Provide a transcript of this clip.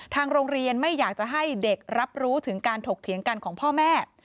ทางโรงเรียนไม่อยากจะให้เด็กรับรู้ถึงการถกเถียงกันของพ่อแม่